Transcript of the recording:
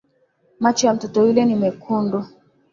Macho ya mtoto yule ni mekundu.